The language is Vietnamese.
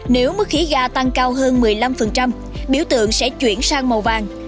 nếu mức khí ga tăng cao hơn một mươi năm biểu tượng sẽ chuyển sang màu vàng